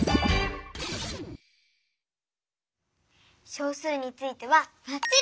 小数についてはばっちり！